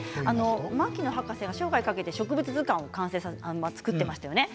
牧野博士が生涯かけて植物図鑑を作っていましたよね。